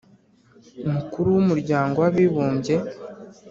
mukuru wa umuryango w'abibumbye: